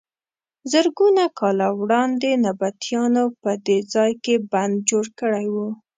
زرګونه کاله وړاندې نبطیانو په دې ځای کې بند جوړ کړی و.